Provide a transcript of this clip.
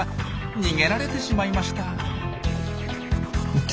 逃げられてしまいました。